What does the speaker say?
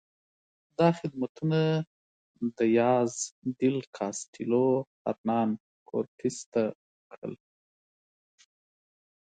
دا خدمتونه دیاز ډیل کاسټیلو هرنان کورټس ته وکړل.